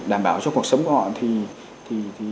đảm bảo cho cuộc sống của họ thì